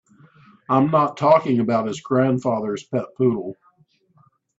I'm not talking about his grandfather's pet poodle.